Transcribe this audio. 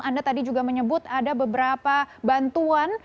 anda tadi juga menyebut ada beberapa bantuan